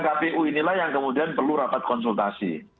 kpu inilah yang kemudian perlu rapat konsultasi